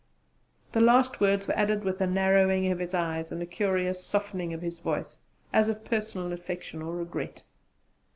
The last words were added with a narrowing of his eyes and a curious softening of voice as of personal affection or regret.